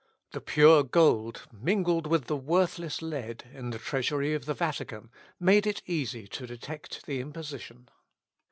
The pure gold, mingled with the worthless lead in the treasury of the Vatican, made it easy to detect the imposition.